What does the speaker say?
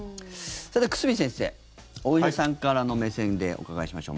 さて、久住先生お医者さんからの目線でお伺いしましょう。